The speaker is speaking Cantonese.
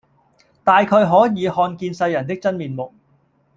大概可以看見世人的真面目；